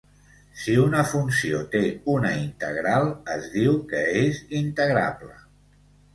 Si una funció té una integral, es diu que és integrable.